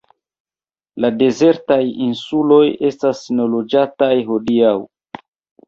La dezertaj insuloj estas neloĝataj hodiaŭ.